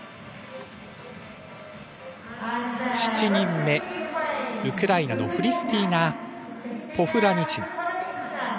７人目、ウクライナのフリスティーナ・ポフラニチナ。